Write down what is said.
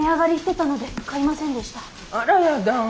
あらやだ